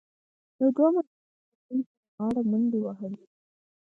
یو دوه ماشومانو د سیند پر غاړه منډې وهلي.